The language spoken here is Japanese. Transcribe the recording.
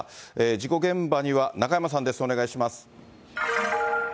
事故現場には中山さんです、お願いします。